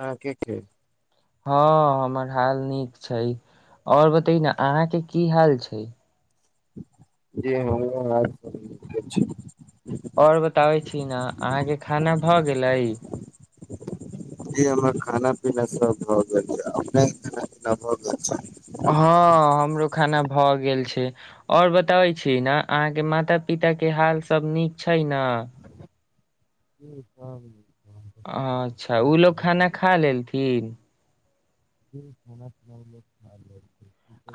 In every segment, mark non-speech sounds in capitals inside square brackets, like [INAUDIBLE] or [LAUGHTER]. हँ के के हँ हमर हाल नीक छै और बतै ने अहाँके की हाल छै जी ह [UNINTELLIGIBLE] और बताबै छी ने अहाँके खाना भऽ गेलै जी हमर खाना पीना सब भ गेलै अपने खाना पीना भ गेल छै जी सब हँ हमरो खाना भऽ गेल छै और बताबै छी ने अहाँके माता पिता के हाल सब नीक छै ने ह्म ह [UNINTELLIGIBLE] अच्छा ओ लोग खाना खा लेलथिन जना सु [INAUDIBLE] [UNINTELLIGIBLE]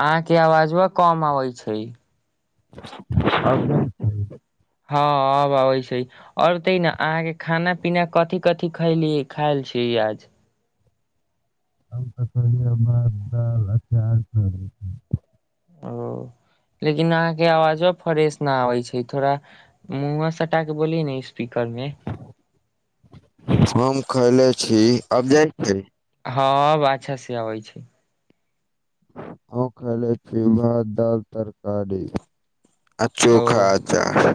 आहाँके अवाज व कम आबै छै आब [UNINTELLIGIBLE] ह अब अबै छैे और बतै ने अहाँ के खाना पीना कथि कथी खली खायल छी राजज [UNINTELLIGIBLE] हम तऽ खैलि ह भात दाल अचार सब [UNINTELLIGIBLE] ओ लेकिन अहाँ के आवाजो फ्रेश न आबै छै थोड़ा मुह सटा के बोलि न स्पीकरमे खैले छी अब जाइ छै हँ बछा से आबै छै आ खाले छी भात दाल तरकारी अ ओ चोखा अचार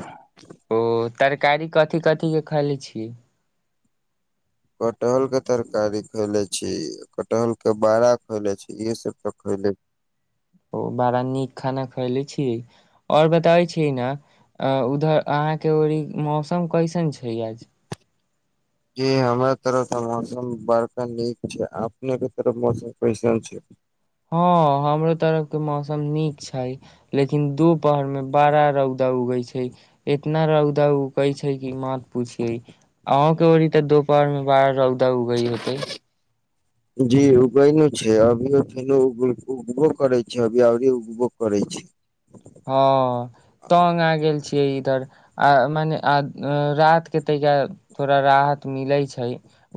ओ तरकारी कथि कथी के खली छी कटहल के तरकारी खयले छी कटहल के बाड़ा खयले छी इसभ त खयले छी ओ बड़ा नीक खाना खयले छीय आओर बताबै छीयै नए अ उधर अहाँके ओ मौसम कइ सन छै आज जी हमरा तरफ मौसम बड़का नीक छै अपने तरफ मौसम कइसन छै हँ हमरो तरफ के मौसम नीक छै लेकिन दूपहर मे बडा रौद उगय छै इतना रौदा उगय छै कि मात पूछिये अहो के ओड़ी त दो पहरमे बार रौदा उगई होतै जी उगैल छै अभियो फे उगबो करै छै अभी आर उगबो करै छै हँ तंग आ गेल छियै इधर आ मने राहत के तहिया थोड़ा राहत मिलै छै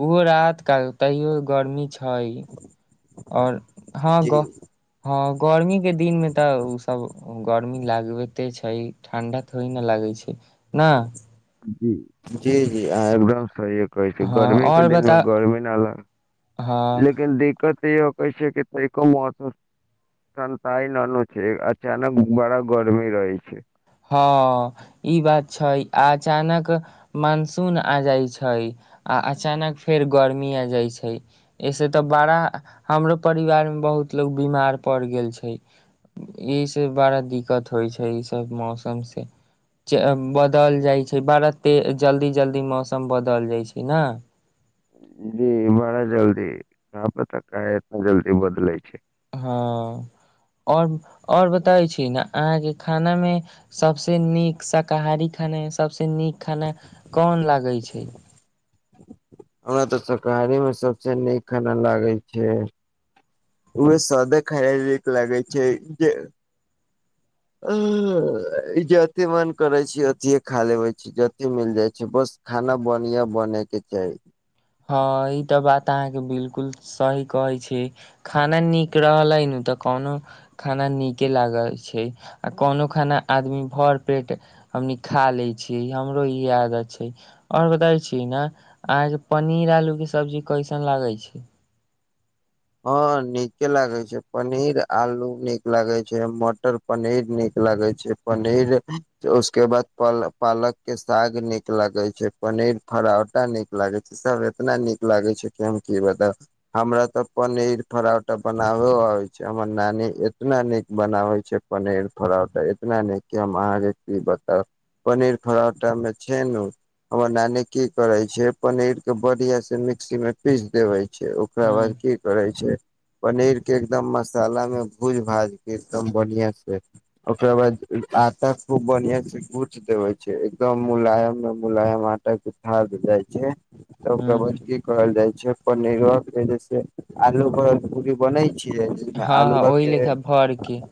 ओहो राहत तत्काल तैयो गर्मी छ आइ और हा जी ग गर्मी के दिन मे तऽ ओ सब गर्मी लागबते छै ठंडा थोड़े ने लागै छै नहि जी जी जी आहाँ एकदम सही कहै छै हँ गर्मी के और दिन मे बता गर्मी नाला हँ लेकिन दिक्कत य पैसे कतेय कमत संताय ननु छै अचानक बड़ा गरमी रहै छै हँ ई बात छै अचानक मानसून आ जाइ छै आ अचानक फेर गर्मी आ जाइ छै एहिसँ तऽ बड़ा हमरो परिवार बहुत लोग बीमार पड़ गेल छै बड़ा दिक्कत होइ छै ई सब मौसम से बदल जाइ छै बरा ते जल्दी जल्दी मौसम बदल जाइ छै ने जी बड़ा जल्दी कह पता काहे इतना जल्दी बदलै छै हँ आओर ओर बताै छी ने अहाँके खाना मे सबसे नीक शाकाहारी खाना सबस नीक खाना कोन लागै छै हमरा तऽ शाकाहारी मे सबसे नीक खाना लागय छै ओ सादे खायल लागय छै जे ई जेते मन करे छै अथिए खा लेबे छी जते मिल जाइ छै बस खाना बनिया बनय के चाही हँ ई तऽ बात अहाँके बिलकुल सही कहै छि खाना नीक रहले न तऽ कोनो खाना नीके लागल छै आ कोनो खाना आदमी भर पेट कनी खा लै छै हमरो इ इ आदत छै और बताबै छि न आहाँके पनीर आलू के सब्जी कइसन लागै छै हँ नीके लागे छै पनीर आलू नीक लागे छै मटर पनीर नीक लागै छै पनीर उसके बाद प पालक के साग नीक लागै छै नए फरौवटा नीक लागै छै सब एतना नीक लागै छै कि हम की बताउ हमरा तऽ पनीर फरावटा बनाबै आ छै हमर नानी एतना नीक बनावय छै पनीर फराव इतना नहि क आहाँके की बताउ पनीर फरौठा में छै नु हमर नानी की करे छै पनीर के बढ़िया से ्सी मे पीस देवे छै ओकरा हूँ बाद रहै छै पनीर के एकदम मसाला मे भूज भाजके एकदम बढ़िया से ओकरा बाद आटा खूब बढ़िया से गूठ देवे छै एकदम मुलायम मे मुलायम आटा के गुथा दे जाइ छै तऽ ओकरा बाद हूँ की करल जाइ छै पनीरो के जस आलू पर पूरी बनय छै हँ हँ आलूआ ओहि के लेखा भर के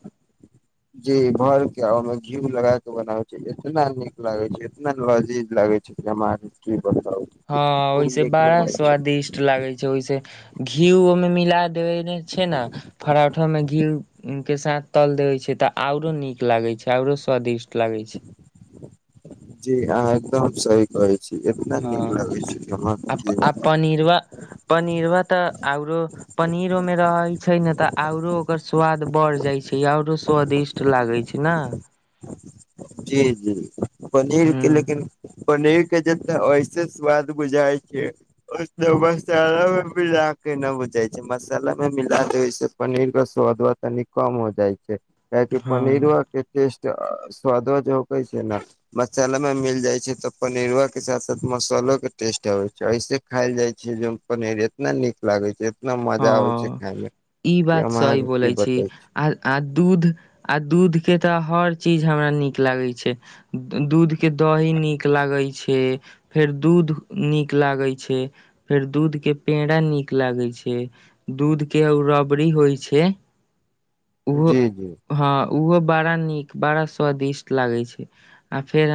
जी भर के ओहिमे घी लगा के बनावे छै इतना निक लागे छै एतना लजीज लागे [UNINTELLIGIBLE] हँ ओहिस खूब नीक बड़ा लागै छै स्वादिष्ट लागै छै ओहिस घी ओहिमे मिला छै ने फरा उठमे घी के साथ तल देवे छै तऽ आऔरो नीक लागे छै आऔरो स्वादिष्ट लागे छै जी आहाँ एकदम सही कहै छी एतना हँ नीक लागै छै की अहाँ के आ प की आ पनीरवा बताऊ पनीरवा ते औरो पनीरो में रहे छै ने तऽ औरो ओकर स्वाद बढ़ जाय छै आओरो स्वादिष्ट लागय छै ने जी जी ह पनीर के लेकिन पनीर के जे ऐसे स्वाद बुझााय छै मसाला मे भी न बुझइ छै मसाला मे मिला दे पनीर के स्वाद तनि कम हो जाइ छै काहेकि हँ पनीर व के टेस्ट स्वादो ज होकै छै ने मसाला में मिल जाय छै तो पनीरवा के साथ साथ मसालो के टेस्ट ऐसे खायल जाय छै ज पनीर इतना नीक लागे छै इतना मजा आबे छै हँ खाय में ई बात सही बोलै छी आ आ दूध आ दूध के तऽ हर चिज हमरा लागै छै दूध के दही नीक लागै छै फेर दूध दूध नीक लागे छै फेर दूध के पेड़ा नीक लागै छै दूध के रबरी होइ छै जी जी ओहो बड़ा नीक बड़ा स्वादिष्ट लागै छै आ फेर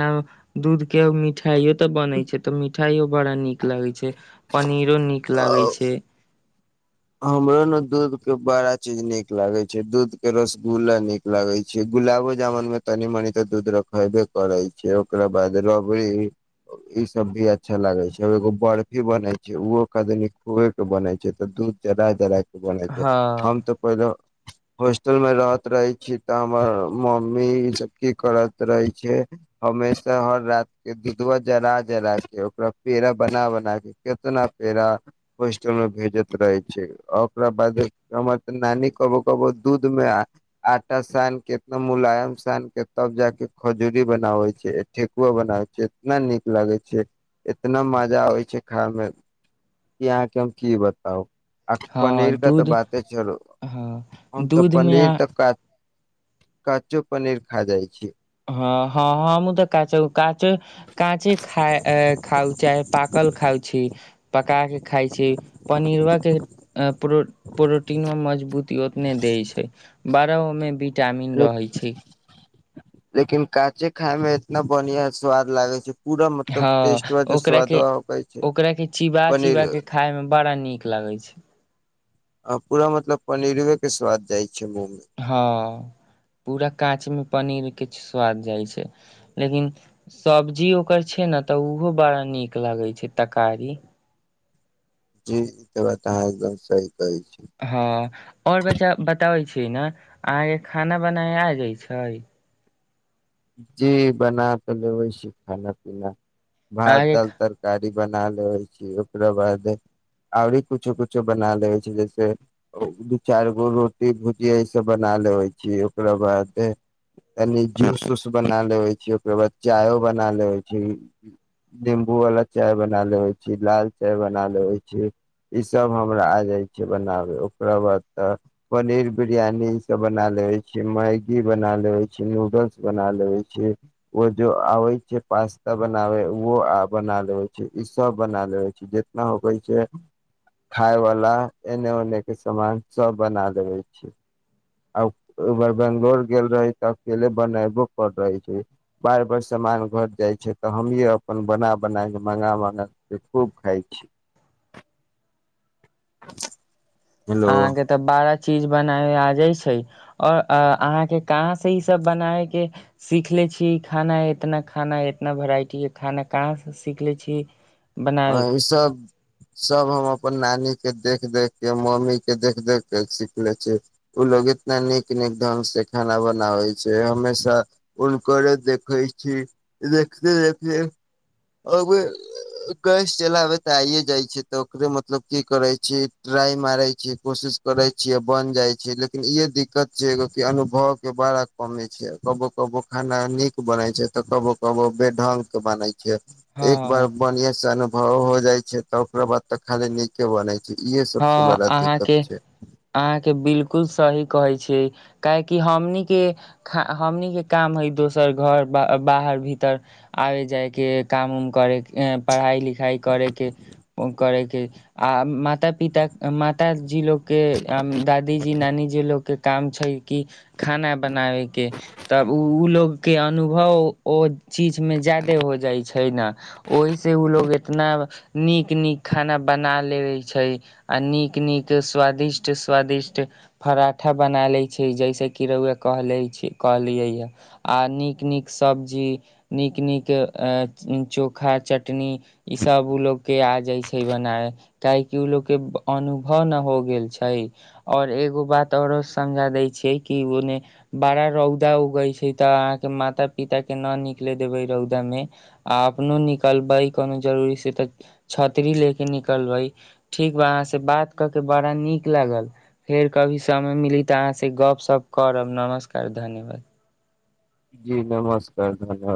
दूध के मिठाइयो तऽ बनै छै तऽ मिठाइयो बड़ा नीक लागै छै पनीरो नीक लागै ओ छै हमरो ने दूध के बड़ा चीज नीक लागै छै दूध के रसगुल्ला नीक लागय छै गुलाबो जामुन मे तनी मनी तऽ दूध रखैबे करै छै ओकरा बाद रबड़ी ई सब भी अच्छा लागै छै एगो बर्फी बनै छै ओहो कदनी खुए के बनै छै तऽ दूध जराजरा के बन छै हँ हम तऽ पहिलो होस्टल मे रहत रहै छी तऽ हमर मम्मी ई सब की करत रहय छै हमेशा हर रात के दूधवा जरा जरा के ओकरा पेड़ा बना बना के कितना पेड़ा पेड़ा होस्टल में भेजत रहय छै ओकरा बाद हमर तनानी कबो कबो दूध मे आटा सान के ना मुलायम सान के तब ज के खजूरी बनावे छै ठेकुआ बनाव छै इतना निक लागै इतना मजा आबै छै खाय मे कि अहाँके हम की बताउ आ हँ पनीर का तऽ दूध बाते चलू हँ हम तऽ दूध मे पनीर हँ तक क कचो पनीर खा जाइ छियै हँ हँ हँ मु तऽ कचौ काचौ काच खा खउ च पाकल खाउ छी पका के खाइ छी पनीरवा के प्रोटीनो मजबूती ओतने दै छै बारहओमे विटामिन रहैत छै लेकिन काँचे खाय में इतना बढ़िया स्वाद लागय छै पूरा मतलब हँ टेस्टवा जे ओकरा के स्वादवा होकै छै ओकरा के चीबा पनीर चिबा के खााय मे बड़ा नीक लग कहाँ आ पूरा मतलब पनीरवेके स्वाद जाइत छै मुँह मे हँ पूरा काँच मे पनीर के स्वाद जाइ छै लेकिन सब्जी ओकर छै ने तऽ ओहो बड़ा नीक लगै छै तकारी जी त बाताँ एकदम सही कहै छी हँ और बच्चा बताबै छी ने अहाँ के खाना बनाय आ जाय छै जी बना तऽ लेबैय छी खाना पीना भात अहाँके दाल तरकारी बना लेए छी ओकरा बाद आओरी कुछो कुछो बना ले छै जैसे दू चारि गो रोटी भुजिया सब बना लेबय छी ओकरा बादे बना लेेबय छियै ओकर बाद चायो बना लेबय छियै निम्बू वाला चाय बना लेबै छी लाल चाय बना लेबय छीयै इ सब हमरा आ जाय छै बनावे ओकरा बाद त पनीर बिरियानी ई सब बना लए छै मैगी बना लेबै छै नूडल्स बना लेेबय छै ओ जो आबै छै पास्ता बनावे व बना लेेबय छै सब बना लेबय छै जितना होबय छै खायवला एने ओनेके सामान सभ बना लेबय छीयै आ बंगलोर गेल रही तऽअकेले बने ुक कर रहे छै बार बर सामान घट जाय छै त हमे अपन बना बना के मंगा म खूब खाय छी हेलो अहाँके तऽ बारा चीज बनाबे आ जाइ छै ओर अहाँके कहाँ से ई सब बनाबय के सीख ले से छी खाना है इतना खाना इतना वेराइटी है खाना कहाँ से सीख लए छी अ बनाबे ई सब सब हम अपन नानी के देख देख के मम्मी के देख देख के सीखले छै उ लोग इतना नीक निक ढंग से खाना बनाबै छै हमेशा हुनकरे देखै छी देखते देखते आब कस चलाबे ते आइे जाय छी ते ओकरे मतलब की करे छी ट्राई मारय छी कोशिश करै बन जाइ छै लेकिन ई दिक्कत छै अनुभव के बड़ा कमि छै कबो कबो खाना नीक बनाय छै तऽ कबो कबो बे ढंग के बनै हँ एक बार बढ़िया से अनुभव हो जाय छै तऽ ओकरा बाद त खाली नीके बनै छै इहे सबसे हँ बड़ा दिक्कत अहाँके छै अहाँके बिलकुल सही कहय छै काहेकी हमहि के काम क््है दोसर घर र भीतर आबे जाय के काम उम करे पढ़ाई लिखाई करे के आ माता पिता मातााजी लोकके दादीजी नानीजी लोकके काम छै कि खाना बनाबेके तब ओ लोगके अनुभव ओ चीजमे जादे हो जाइ छै छै न ओहिसँ ओ लोग इतना नीक नीक खाना बना लेबे छै आ नीक नीक स्वादिष्ट स्वादिष्ट पराठा बना लै छै जैसे कि रो आ नीक नीक सब्जी नीक न चोखा चटनी ई सब उ लोग के आ जाइ छै बनाय काहेकि उ लोग अनुभव नहि हो गेल छै और एगो बात ओरो समझा दै छिय कि ओ बड़ा रौदा उगै छै तऽ अहाँके माता पिता के न निकले देबे रौदा मे आ अपनो निकलबै कोनो जरूरी से तऽ छतरी लेके निकलबै ठीक बा अहाँ से बात कर के बड़ा नीक लागल फेर कभी समय मिली ते आहाँ से गप सप करब नमस्कार धन्यवाद जी नमस्कार धन्यवाद